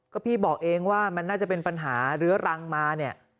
ก็พี่บอกเองว่ามันน่าจะเป็นปัญหาเรื้อรังมาเนี่ย